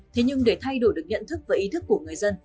thế nhưng để thay đổi được nhận thức và ý thức của người dân